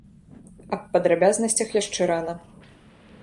Аб падрабязнасцях яшчэ рана.